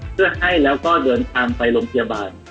เพื่อให้แล้วก็เดินทางไปโรงพยาบาล